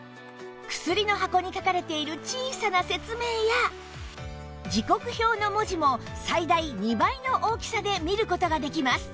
薬の箱に書かれている小さな説明や時刻表の文字も最大２倍の大きさで見る事ができます